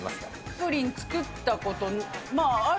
プリン作ったこと、ある。